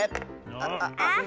あっあっ。